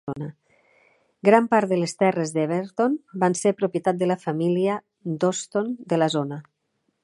Gran part de les terres d'Everton van ser propietat de la família Hodson de la zona.